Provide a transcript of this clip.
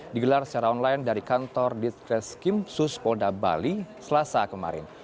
digelar secara online dari kantor ditreskim suspolda bali selasa kemarin